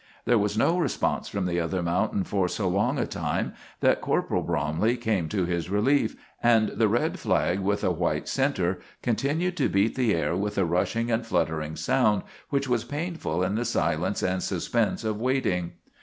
There was no response from the other mountain for so long a time that Corporal Bromley came to his relief, and the red flag with a white center continued to beat the air with a rushing and fluttering sound which was painful in the silence and suspense of waiting.